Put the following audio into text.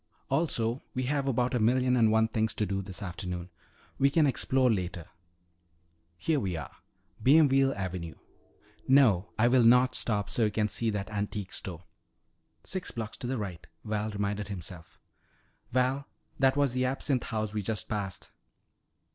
Also we have about a million and one things to do this afternoon. We can explore later. Here we are; Bienville Avenue. No, I will not stop so that you can see that antique store. Six blocks to the right," Val reminded himself. "Val, that was the Absinthe House we just passed!"